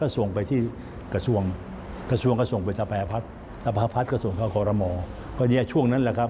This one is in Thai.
ซึ้งก็เหรอนะครับ